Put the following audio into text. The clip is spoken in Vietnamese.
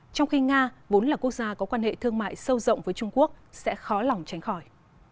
trong khi nga vốn là quốc gia có quan hệ thương mại sâu rộng với trung quốc sẽ khó lòng tránh khỏi